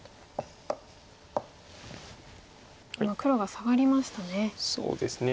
今黒がサガりましたね。